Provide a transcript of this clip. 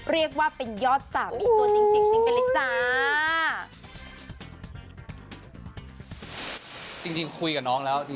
เรียกว่าเป็นยอดสามีตัวจริงไปเลยจ้า